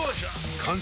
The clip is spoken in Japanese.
完成！